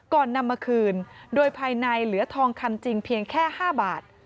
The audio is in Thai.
นำมาคืนโดยภายในเหลือทองคำจริงเพียงแค่๕บาท